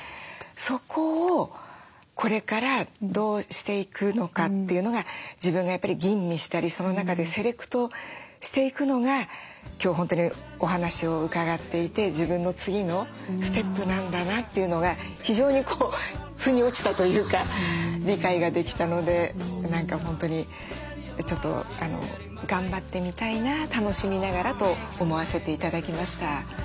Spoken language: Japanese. そこをこれからどうしていくのかというのが自分がやっぱり吟味したりその中でセレクトしていくのが今日本当にお話を伺っていて自分の次のステップなんだなというのが非常に腑に落ちたというか理解ができたので何か本当にちょっと頑張ってみたいな楽しみながらと思わせて頂きました。